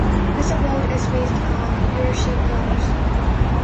This award is based on viewership numbers.